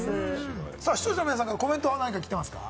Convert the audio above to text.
視聴者の皆さんからコメントが届いてますか？